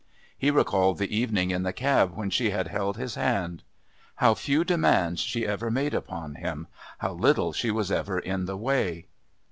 He recalled the evening in the cab when she had held his hand. How few demands she ever made upon him; how little she was ever in the way!